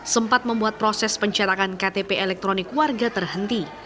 sempat membuat proses pencetakan ktp elektronik warga terhenti